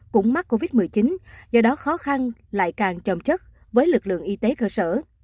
cũng mắc covid một mươi chín do đó khó khăn lại càng trầm chất với lực lượng y tế cơ sở